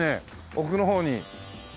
奥の方に。